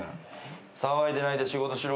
・騒いでないで仕事しろ。